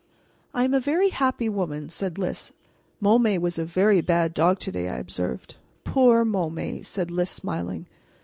"I am a very happy woman," said Lys. "Môme was a very bad dog to day," I observed. "Poor Môme!" said Lys, smiling.